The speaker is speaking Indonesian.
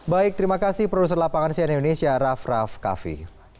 baik terima kasih produser lapangan sian indonesia raff raff kaffi